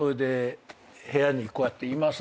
部屋にこうやっています